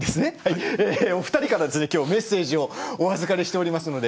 お二人からメッセージをお預かりしております。